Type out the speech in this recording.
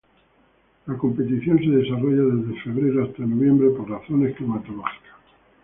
La competición se desarrolla desde febrero hasta noviembre por razones climatológicas.